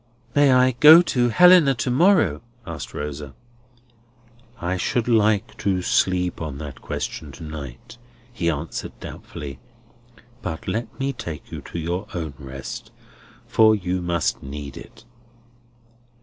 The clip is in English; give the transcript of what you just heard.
"I may go to Helena to morrow?" asked Rosa. "I should like to sleep on that question to night," he answered doubtfully. "But let me take you to your own rest, for you must need it."